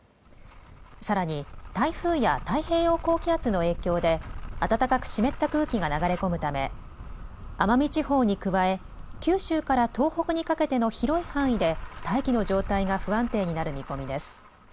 さらに台風や太平洋高気圧の影響で、暖かく湿った空気が流れ込むため、奄美地方に加え、九州から東北にかけての広い範囲で、大気の状態が不安定になる見込みです。